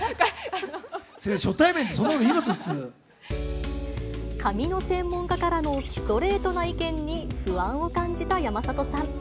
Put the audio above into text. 初対面でそんなこと言います？髪の専門家からのストレートな意見に、不安を感じた山里さん。